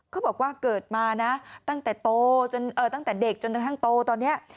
เขาบอกว่าเกิดมาตั้งแต่เด็กจนทั้งโตตอนนี้